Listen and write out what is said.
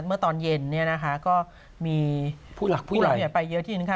เมื่อตอนเย็นเนี่ยนะคะก็มีผู้หลักผู้เราไปเยอะที่นึงค่ะ